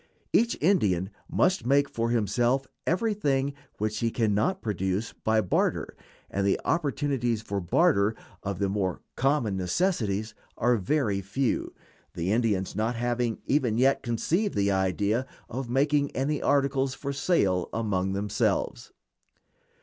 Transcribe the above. Each Indian must make for himself everything which he can not procure by barter, and the opportunities for barter of the more common necessities are very few, the Indians not having even yet conceived the idea of making any articles for sale among themselves.